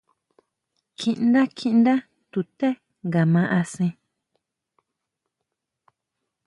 Kjiʼndá, kjiʼndá tuté nga ma asen.